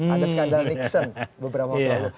ada skandal nixon beberapa waktu lalu